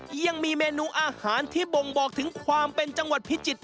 ยังมีเมนูอาหารที่บ่งบอกถึงความเป็นจังหวัดพิจิตร